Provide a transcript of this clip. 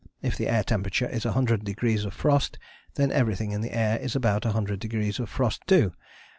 If the air temperature is 100 degrees of frost, then everything in the air is about 100 degrees of frost too.